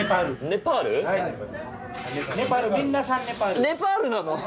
ネパールなの！？